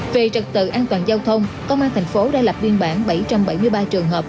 về trật tự an toàn giao thông công an thành phố đã lập biên bản bảy trăm bảy mươi ba trường hợp